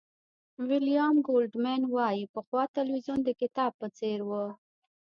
ویلیام گولډمېن وایي پخوا تلویزیون د کتاب په څېر و.